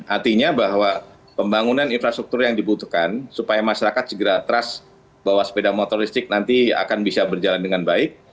artinya bahwa pembangunan infrastruktur yang dibutuhkan supaya masyarakat segera trust bahwa sepeda motor listrik nanti akan bisa berjalan dengan baik